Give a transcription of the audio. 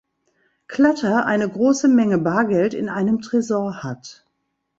Clutter eine große Menge Bargeld in einem Tresor hat.